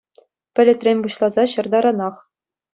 Пӗлӗтрен пуҫласа ҫӗр таранах.